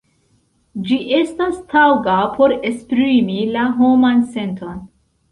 Ĝi estas taŭga por esprimi la homan senton.